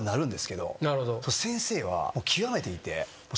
先生はもう極めていて。